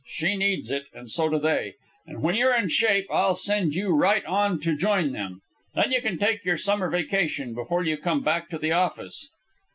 She needs it, and so do they. And when you're in shape, I'll send you right on to join them. Then you can take your summer vacation before you come back to the office."